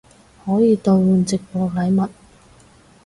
可以兑换直播禮物